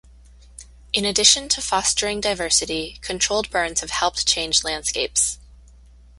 In addition to fostering diversity, controlled burns have helped change landscapes.